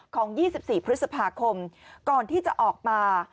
๒๔พฤษภาคมก่อนที่จะออกมา